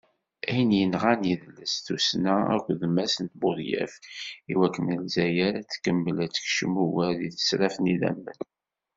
I yenɣan idles, tussna akked d Mass Buḍyaf iwakken Lezzayer ad tkemmel ad tekcem ugar deg tesraft n yidammen.